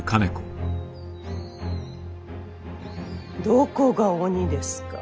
どこが鬼ですか。